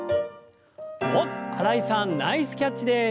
おっ新井さんナイスキャッチです！